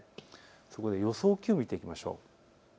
そこで予想気温を見ていきましょう。